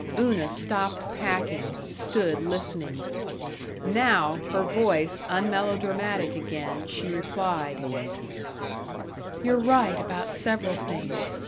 Una stopped packing, stood listening. Now, her voice unmelodramatic again, she replied: "You're right about several things.